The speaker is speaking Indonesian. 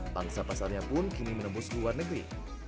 bangsa pasarnya pun kini menembus luar negeri